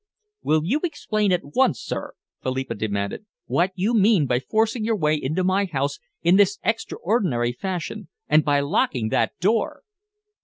"Will you explain at once, sir," Philippa demanded, "what you mean by forcing your way into my house in this extraordinary fashion, and by locking that door?"